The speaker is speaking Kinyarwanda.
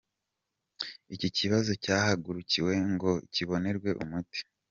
Iki kibazo cyahagurukiwe ngo kibonerwe umuti.